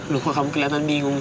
sampai kapan andre melamar dewi